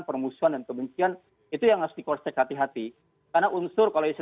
permusuhan dan kebencian itu yang harus dikonsep hati hati karena unsur kalau